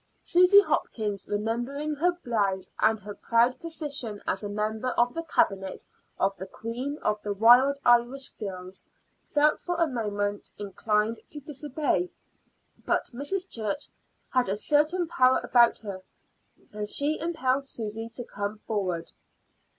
Susy Hopkins, remembering her blouse and her proud position as a member of the Cabinet of the Queen of the Wild Irish Girls, felt for a moment inclined to disobey; but Mrs. Church had a certain power about her, and she impelled Susy to come forward.